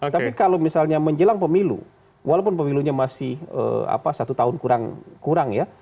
tapi kalau misalnya menjelang pemilu walaupun pemilunya masih satu tahun kurang ya